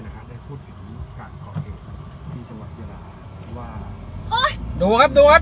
ดูครับดูครับดูดูดูดูพ่อมันไม่ถูกเกาะรถ